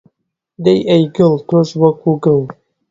دەی ئەی گڵ، تۆش وەکو گڵ